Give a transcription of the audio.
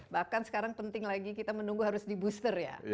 bahkan sekarang penting lagi kita menunggu harus di booster ya